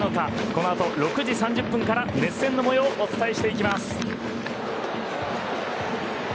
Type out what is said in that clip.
このあと６時３０分から熱戦の模様をお伝えしていきます。